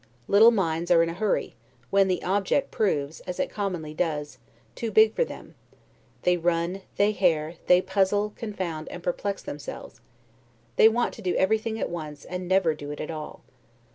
Little minds are in a hurry, when the object proves (as it commonly does) too big for them; they run, they hare, they puzzle, confound, and perplex themselves: they want to do everything at once, and never do it at all.